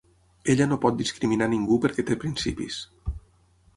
Ella no pot discriminar ningú perquè té principis.